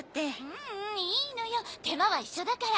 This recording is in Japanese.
ううんいいのよ手間は一緒だから。